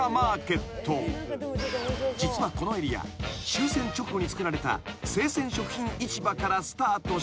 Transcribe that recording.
［実はこのエリア終戦直後につくられた生鮮食品市場からスタートし］